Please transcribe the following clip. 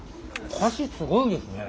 コシすごいですね。